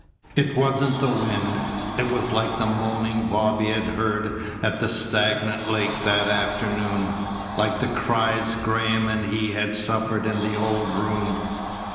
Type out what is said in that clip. It wasn't the wind. It was like the moaning Bobby had heard at the stagnant lake that afternoon, like the cries Graham and he had suffered in the old room.